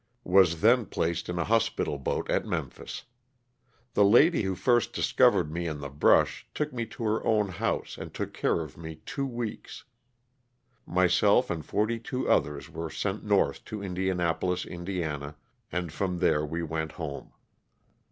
Was then placed in a hospital 216 LOSS OF THE SULTANA. boat at Memphis. The lady who first discovered me in the brush took me to her own house and took care of me two weeks. Myself and forty two others were sent north to Indianapolis, Ind., and from there we went home.